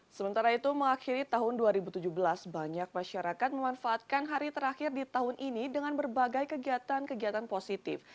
sementara itu mengakhiri tahun dua ribu tujuh belas banyak masyarakat memanfaatkan hari terakhir di tahun ini dengan berbagai kegiatan kegiatan positif